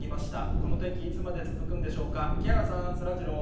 この天気、いつまで続くんでしょうか。